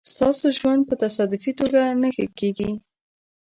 ستاسو ژوند په تصادفي توګه نه ښه کېږي.